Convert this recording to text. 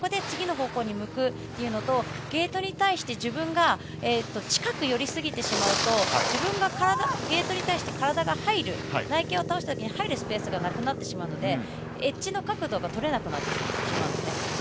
次の方向に向くというのとゲートに対して自分が近く寄りすぎてしまうと自分がゲートに対して体が入る内傾を倒したときに入るスペースがなくなってしまうのでエッジの角度が取れなくなるんですね。